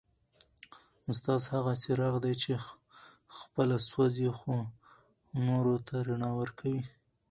استاد هغه څراغ دی چي خپله سوځي خو نورو ته رڼا ورکوي.